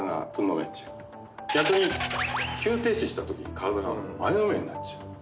逆に急停止したときに体が前のめりになっちゃう。